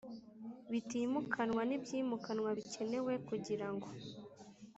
bitimukanwa n ibyimukanwa bikenewe kugirango